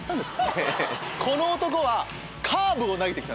この男は。